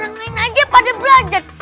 orang lain aja pada belajar